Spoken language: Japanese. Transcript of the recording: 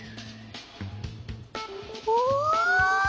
お！